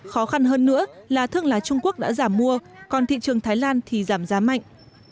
khó khăn hơn nữa là thương lái trung quốc đã giảm mua còn thị trường thái lan thì giảm giá mạnh